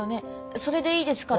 それでいいですから。